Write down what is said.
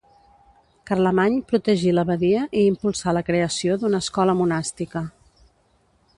Carlemany protegí l'abadia i impulsà la creació d'una escola monàstica.